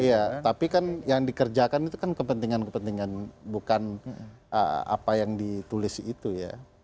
iya tapi kan yang dikerjakan itu kan kepentingan kepentingan bukan apa yang ditulis itu ya